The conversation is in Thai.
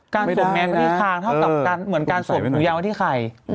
การสวมแมตซ์ไว้ที่คางเท่ากับการสวมถุงยางไว้ที่ไข่